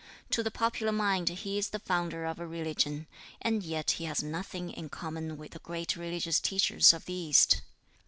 To the popular mind he is the founder of a religion, and yet he has nothing in common with the great religious teachers of the East.